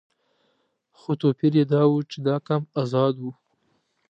خو توپیر یې دا و چې دا کمپ آزاد و.